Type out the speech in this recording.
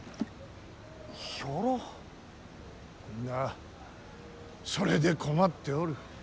みんなそれで困っておる。